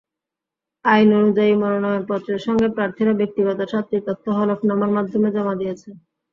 আইন অনুযায়ী, মনোনয়নপত্রের সঙ্গে প্রার্থীরা ব্যক্তিগত সাতটি তথ্য হলফনামার মাধ্যমে জমা দিয়েছেন।